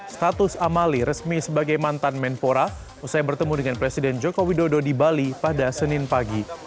status amali resmi sebagai mantan menpora usai bertemu dengan presiden joko widodo di bali pada senin pagi